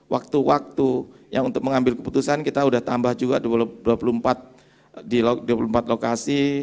waktu waktu yang untuk mengambil keputusan kita udah tambah juga dua puluh empat lokasi